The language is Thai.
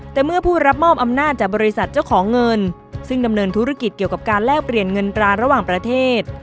แต่เมื่อผู้รับมอบอำนาจจากบริษัทเจ้าของเงินซึ่งดำเนินธุรกิจเกี่ยวกับการแลกเปลี่ยนเงินตราระหว่างประเทศ